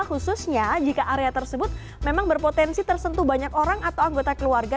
khususnya jika area tersebut memang berpotensi tersentuh banyak orang atau anggota keluarga